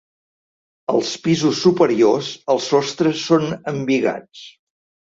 Als pisos superiors, els sostres són embigats.